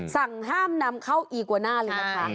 สั่งห้ามนำเข้าอีกวาน่าเลยนะคะ